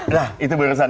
nah itu beneran itu alto